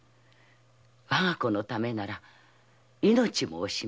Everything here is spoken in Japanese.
わが子のためなら命も惜しまない。